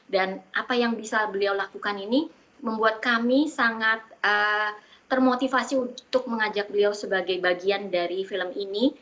dan apa yang bisa beliau lakukan ini membuat kami sangat termotivasi untuk mengajak beliau sebagai bagian dari film ini